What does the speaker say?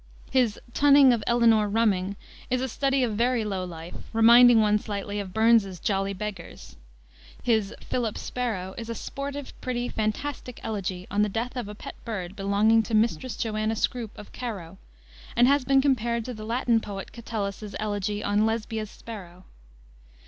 His Tunnyng of Elynoure Rummyng is a study of very low life, reminding one slightly of Burns's Jolly Beggars. His Phyllyp Sparowe is a sportive, pretty, fantastic elegy on the death of a pet bird belonging to Mistress Joanna Scroupe, of Carowe, and has been compared to the Latin poet Catullus's elegy on Lesbia's sparrow.